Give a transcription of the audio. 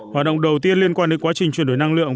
hoạt động đầu tiên liên quan đến quá trình chuyển đổi năng lượng